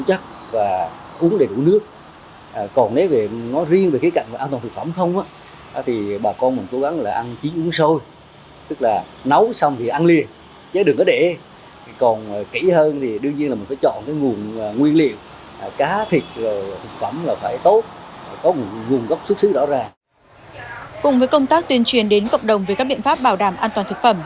cùng với công tác tuyên truyền đến cộng đồng về các biện pháp bảo đảm an toàn thực phẩm